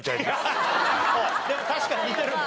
でも確かに似てるもん。